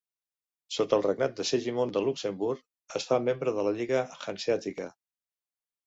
Sota el regnat de Segimon de Luxemburg, es fa membre de la Lliga Hanseàtica.